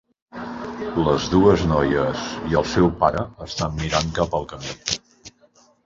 Les dues noies i el seu pare, estan mirant cap al camí.